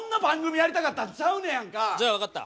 じゃあ分かった。